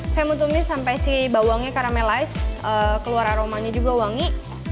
saya mau tumis sampai si bawangnya karamelize keluar aromanya juga wangi